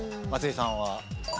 松井さんは。